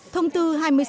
thông tư hai mươi sáu